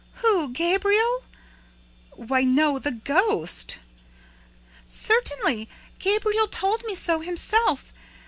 "Who? Gabriel?" "Why, no, the ghost!" "Certainly! Gabriel told me so himself.